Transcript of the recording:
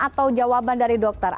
atau jawaban dari dokter